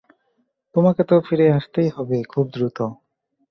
তোমাকে তো ফিরে আসতেই হবে, খুব দ্রুত।